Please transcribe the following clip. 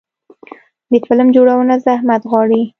د فلم جوړونه زحمت غواړي.